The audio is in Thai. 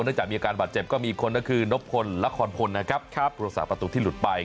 เนื่องจากมีอาการบาดเจ็บก็มีอีกคนก็คือนพลและคอนพลนะครับรักษาประตุกที่หลุดไป